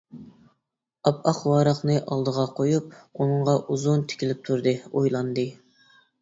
ئاپئاق ۋاراقنى ئالدىغا قويۇپ، ئۇنىڭغا ئۇزۇن تىكىلىپ تۇردى، ئويلاندى.